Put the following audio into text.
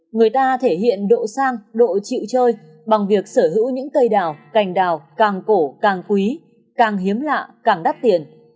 người ta thể hiện độ sang độ chịu chơi bằng việc sở hữu những cây đào cành đào càng cổ càng quý càng hiếm lạ càng đắt tiền